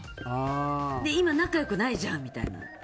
今、仲良くないじゃんみたいな。